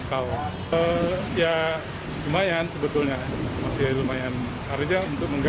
kalau di mana